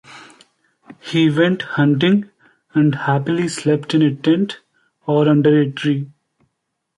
He went hunting and happily slept in a tent or under a tree.